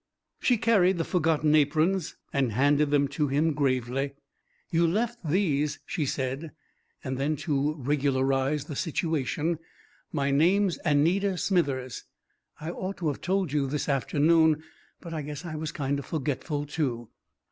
She carried the forgotten aprons, and handed them to him gravely. "You left these," she said; and then, to regularize the situation, "My name's Anita Smithers. I ought've told you this afternoon, but I guess I was kind of forgetful, too."